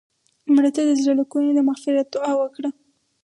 مړه ته د زړه له کومې د مغفرت دعا وکړه